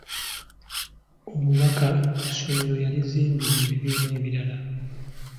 Omubaka essomero yalizimbira ebibiina ebiralala.